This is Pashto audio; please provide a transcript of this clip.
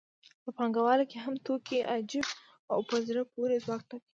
په پانګوالۍ کې هم توکي عجیب او په زړه پورې ځواک لري